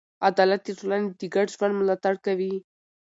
عدالت د ټولنې د ګډ ژوند ملاتړ کوي.